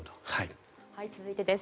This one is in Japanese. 続いてです。